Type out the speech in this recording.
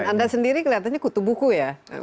dan anda sendiri kelihatannya kutub buku ya